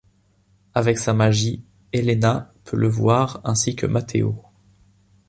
Avec sa magie, Elena peut le voir ainsi que Matteo.